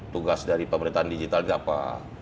tugas dari pemerintahan digital itu apa